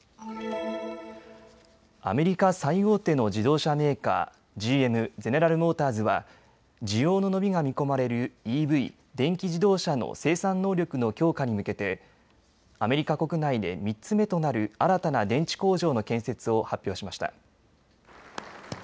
アメリカ最大手の自動車メーカー、ＧＭ・ゼネラル・モーターズは需要の伸びが見込まれるＥＶ・電気自動車の生産能力の強化に向けてアメリカ国内で３つ目となる新たな電池工場の建設を発表しました。